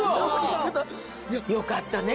よかったね